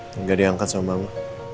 nggak diangkat sama mama